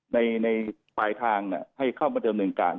ในปลายทางให้เข้ามาเดิมเนินการ